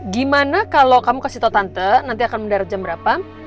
gimana kalau kamu kasih tau tante nanti akan mendarat jam berapa